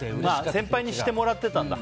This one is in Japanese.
先輩にしてもらってたんだ。